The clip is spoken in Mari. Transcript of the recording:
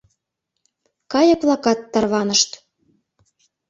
Кайык-влакат тарванышт.